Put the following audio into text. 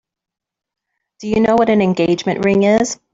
Do you know what an engagement ring is?